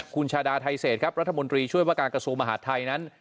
คุณชาดาไทเศษครับรัฐมนตรีช่วยว่าการกระทรวงมหาดไทยนั้น